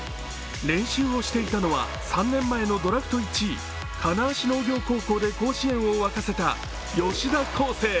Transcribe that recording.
練習をしていたのは３年前のドラフト１位金足農業高校で甲子園を沸かせた吉田輝星。